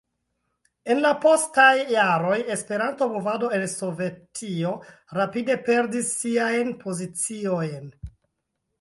En la postaj jaroj Esperanto-movado en Sovetio rapide perdis siajn poziciojn.